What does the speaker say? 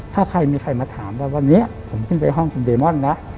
ถ้าใครมีใครมาถามว่าวันนี้ผมขึ้นไปห้องคุณเดมอนนะ